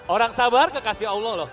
orang sabar kekasih allah loh